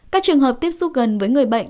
các trường hợp tiếp xúc gần với người bệnh